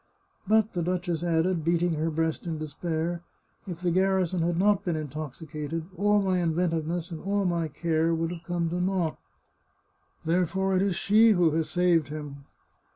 " But," the duchess added, beating her breast in her despair, " if the gar rison had not been intoxicated, all my inventiveness and all my care would have come to naught. Therefore it is she who has saved him."